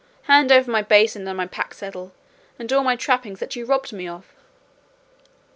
hand over my basin and my pack saddle, and all my trappings that you robbed me of."